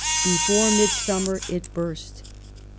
Before midsummer it burst.